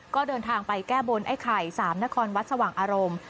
ก็เดินทางไปแก้บนไอ้ไข่๓นครวัดสว่างอารมณ์